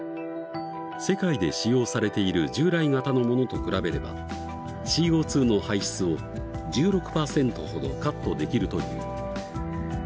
世界で使用されている従来型のものと比べればＣＯの排出を１６％ほどカットできるという。